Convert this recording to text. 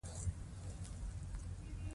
دوه ورځې له هر څه څخه لرې په پوستو کې وم.